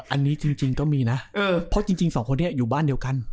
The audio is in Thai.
อันนี้จริงก็มีนะเพราะจริงสองคนนี้อยู่บ้านเดียวกัน